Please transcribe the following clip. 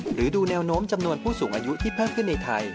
หรือดูแนวโน้มจำนวนผู้สูงอายุที่เพิ่มขึ้นในไทย